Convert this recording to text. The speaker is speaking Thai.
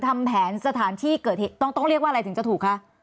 ทำแผนสถานที่เกิดเหตุต้องเรียกว่าอะไรถึงจะถูกคะ